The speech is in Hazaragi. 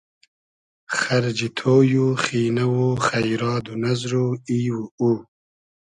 خئرجی تۉی و خینۂ و خݷراد و نئزر و ای و او